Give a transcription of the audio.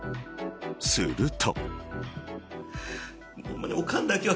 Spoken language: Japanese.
すると。